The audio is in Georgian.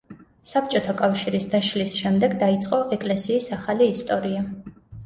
საბჭოთა კავშირის დაშლის შემდეგ დაიწყო ეკლესიის ახალი ისტორია.